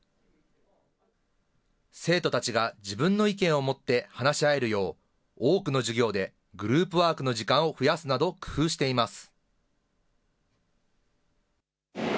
生徒たちが自分の意見を持って話し合えるよう、多くの授業でグループワークの時間を増やすなど工夫しています。